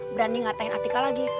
berani ngatain atika lagi